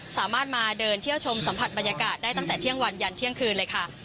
สามารถมาเดินเที่ยวชมสัมผัสบรรยากาศได้ตั้งแต่เที่ยงวันยันเที่ยงคืนเลยค่ะ